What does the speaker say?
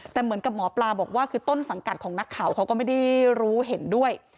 แต่เหมือนกับหมอปลาบอกว่าคือต้นสังกัดของนักข่าวเขาก็ไม่ได้รู้เห็นด้วย